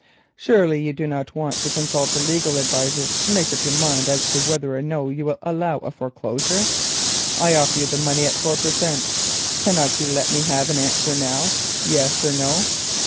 "Surely you do not want to consult a legal adviser to make up your mind as to whether or no you will allow a foreclosure. I offer you the money at four per cent. Cannot you let me have an answer now, yes or no?"